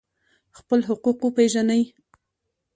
خپل حقوق وپیژنئ